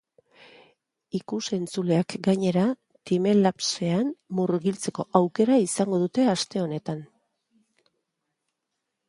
Ikus-entzuleak gainera, timelapsean murgiltzeko aukera izango dute aste honetan.